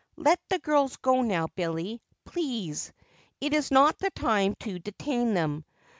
"Let the girls go now, Billy, please. It is not the time to detain them.